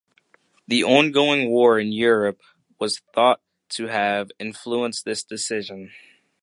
The ongoing war in Europe was thought to have influenced this decision.